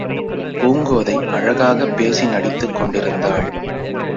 பூங்கோதை அழகாகப் பேசி நடித்துக் கொண்டிருந்தாள்.